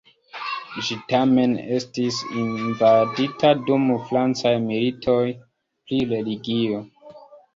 Ĝi tamen estis invadita dum francaj militoj pri religio.